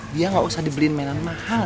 dia gak usah dibeliin mainan mahal